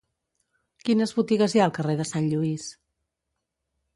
Quines botigues hi ha al carrer de Sant Lluís?